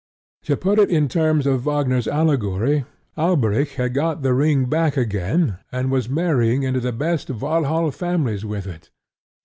To put it in terms of Wagner's allegory, Alberic had got the ring back again and was marrying into the best Walhall families with it.